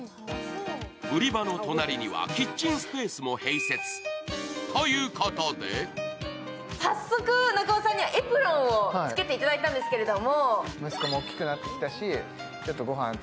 売り場の隣にはキッチンスペースも併設。ということで早速、中尾さんにはエプロンを着けていただいたんですけれども。